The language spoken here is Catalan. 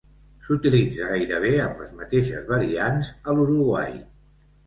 S'utilitza gairebé amb les mateixes variants a l'Uruguai.